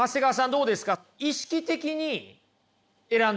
どうですか？